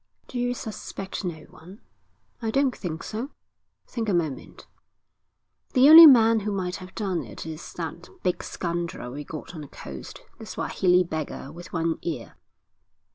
'Do you suspect no one?' 'I don't think so.' 'Think a moment.' 'The only man who might have done it is that big scoundrel we got on the coast, the Swahili beggar with one ear.'